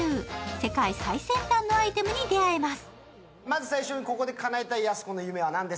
世界最先端のアイテムに出会えます。